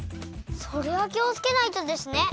それはきをつけないとですね！